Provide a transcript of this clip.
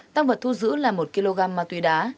tăng vật thu giữ là một kg ma túy đá